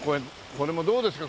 これもどうですか？